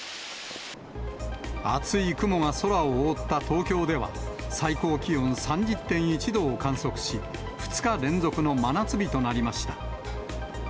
厚い雲が空を覆った東京では、最高気温３０．１度を観測し、２日連続の真夏日となりました。